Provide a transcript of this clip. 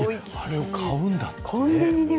あれを買うんだ。